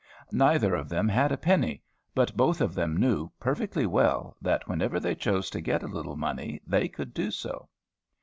Neither of them had a penny; but both of them knew, perfectly well, that whenever they chose to get a little money they could do so.